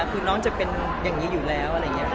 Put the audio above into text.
คือนางจะอย่างงี้อยู่แล้วอะไรอย่างเงี้ย